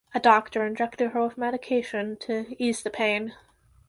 A doctor injected her with medication to ease the pain.